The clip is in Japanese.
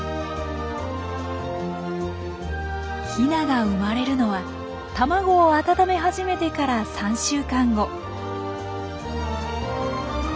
ヒナが生まれるのは卵を温め始めてから３週間後。